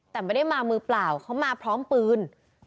แต่ไม่ได้มามือเปล่าเขามาพร้อมปืน